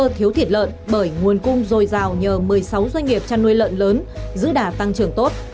cơ sở thiếu thịt lợn bởi nguồn cung dồi dào nhờ một mươi sáu doanh nghiệp chăn nuôi lợn lớn giữ đả tăng trưởng tốt